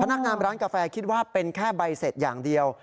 นักงามร้านกาแฟคิดว่าเป็นแค่ใบเสร็จอย่างเดียว